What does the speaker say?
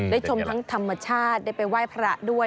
ชมทั้งธรรมชาติได้ไปไหว้พระด้วย